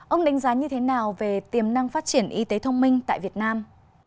ông đánh giá như thế nào về tiềm năng phát triển y tế thông minh tại việt nam